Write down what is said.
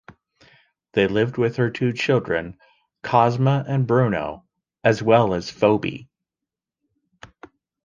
They lived with her two children Cosima and Bruno, as well as Phoebe.